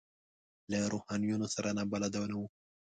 له روحانیونو سره نابلده نه وو.